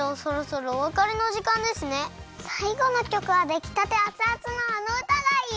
さいごのきょくはできたてアツアツのあのうたがいい！